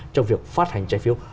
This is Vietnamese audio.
trong việc phát hành trái phiếu